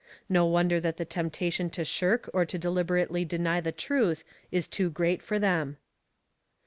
No wonder that the temptation to shirk or to deliberately deny the truth is too great for them.